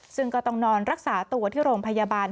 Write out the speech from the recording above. ซึ่งก็ต้องนอนรักษาตัวที่โรงพยาบาล